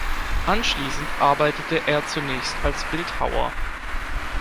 Anschließend arbeitete er zunächst als Bildhauer.